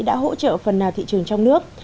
đã hỗ trợ phần nào thị trường trong nước